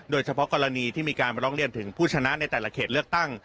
โดยเฉพาะกรณีที่มีการมาร้องเรียนถึงผู้ชนะในแต่ละเขตเลือกตั้ง